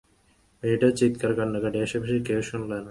মেয়েটির চিৎকার, কান্নাকাটি আশেপাশের কেউ শুনল না।